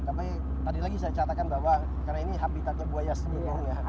tapi tadi lagi saya catakan bahwa karena ini habitatnya buaya sebelumnya